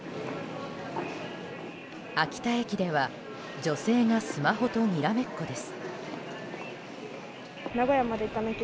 秋田駅では女性がスマホとにらめっこです。